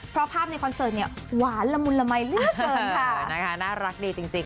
เพราะภาพในคอนเสิร์ตเนี่ยหวานละมุนละมัยเหลือเกินค่ะนะคะน่ารักดีจริง